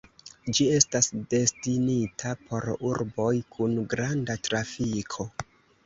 Ĝi estas destinita por urboj kun granda trafiko.